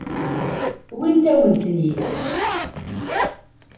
Wwint-awen-ten-id.